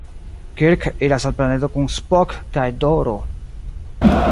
Kirk iras al planedo kun Spock kaj D-ro.